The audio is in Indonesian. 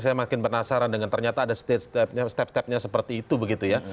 saya makin penasaran dengan ternyata ada step stepnya seperti itu begitu ya